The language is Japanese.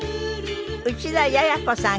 内田也哉子さん